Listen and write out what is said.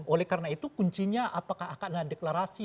oleh karena itu kuncinya apakah akan ada deklarasi